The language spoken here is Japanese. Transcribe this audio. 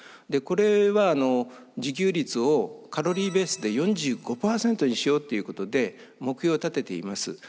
でこれは自給率をカロリーベースで４５％にしようっていうことで目標を立てています。